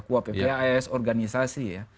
kua ppa as organisasi ya